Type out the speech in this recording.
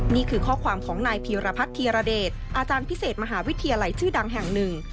นี่คือข้อความของนายพีรพัฒนธีรเดชอาจารย์พิเศษมหาวิทยาลัยชื่อดังแห่งหนึ่ง